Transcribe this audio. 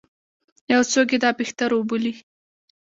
یو څوک یې دا بهتر وبولي.